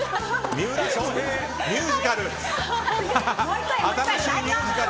三浦翔平の新しいミュージカル！